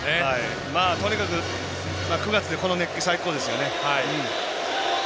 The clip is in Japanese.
とにかく９月でこの熱気、最高ですよね。